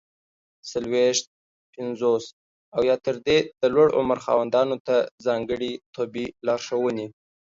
څلوېښت، پنځوس او یا تر دې د لوړ عمر خاوندانو ته ځانګړي طبي لارښووني!